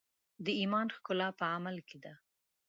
د ایمان ښکلا په عمل کې ده.